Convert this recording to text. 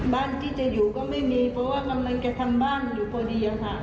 บ้านที่จะอยู่ก็ไม่มีเพราะว่ากำลังจะทำบ้านอยู่พอดีอะค่ะ